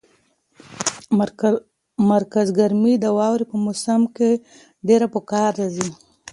مرکز ګرمي د واورې په موسم کې ډېره په کار راځي.